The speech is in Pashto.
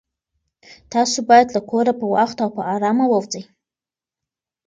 تاسو باید له کوره په وخت او په ارامه ووځئ.